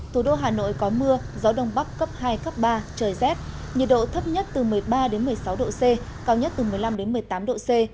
thủ đô hà nội có mưa gió đông bắc cấp hai cấp ba trời rét nhiệt độ thấp nhất từ một mươi ba một mươi sáu độ c cao nhất từ một mươi năm một mươi tám độ c